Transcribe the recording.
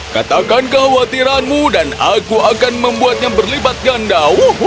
katakan kekhawatiranmu dan aku akan membuatnya berlipat ganda